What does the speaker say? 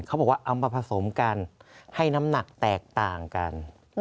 เขาบอกว่าเอามาผสมกันให้น้ำหนักแตกต่างกัน